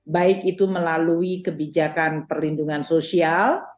baik itu melalui kebijakan perlindungan sosial